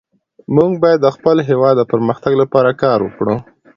موږ باید د خپل هیواد د پرمختګ لپاره کار وکړو